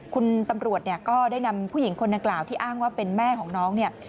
คุณตำรวจเนี่ยก็ได้นำผู้หญิงคนดังกล่าวที่อ้างว่าเป็นแม่ของน้องเนี่ย